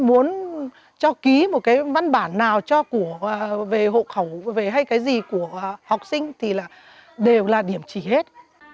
muốn cho ký một cái văn bản nào về hộ khẩu hay cái gì của học sinh thì đều là điểm chỉ hết